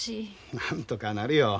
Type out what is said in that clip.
なんとかなるよ。